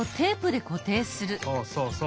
そうそうそう。